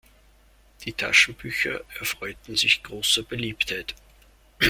Die Taschenbücher erfreuten sich großer Beliebtheit.